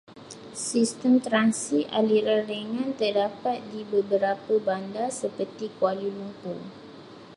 Sistem transit aliran ringan terdapat di beberapa bandar, seperti Kuala Lumpur.